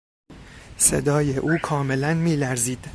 صدای او کاملا میلرزید.